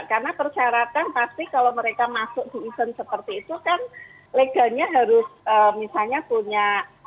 karena persyaratan pasti kalau mereka masuk di event seperti itu kan legalnya harus misalnya punya